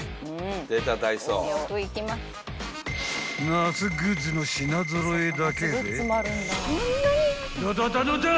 ［夏グッズの品揃えだけでダダダのダ！